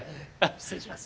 失礼します。